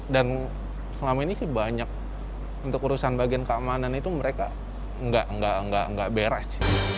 dan selama ini sih banyak untuk urusan bagian keamanan itu mereka nggak beres